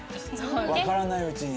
わからないうちに。